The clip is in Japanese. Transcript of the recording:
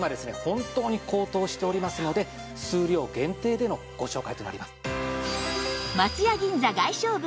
本当に高騰しておりますので数量限定でのご紹介となります。